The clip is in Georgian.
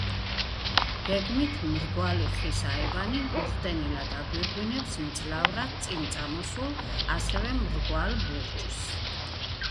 გეგმით მრგვალი ხის აივანი მოხდენილად აგვირგვინებს მძლავრად წინ გამოსულ ასევე მრგვალ ბურჯს.